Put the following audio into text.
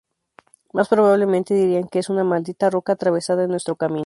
Más probablemente, dirían que es "¡una maldita roca atravesada en nuestro camino!